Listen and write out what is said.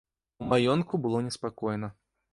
У маёнтку было неспакойна.